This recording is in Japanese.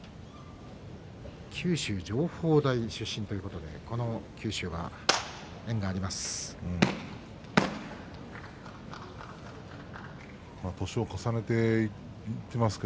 九州情報大学出身ということで九州は縁があります。